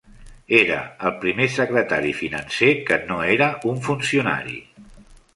Era el primer secretari financer que no era un funcionari.